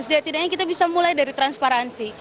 setidak tidaknya kita bisa mulai dari transparansi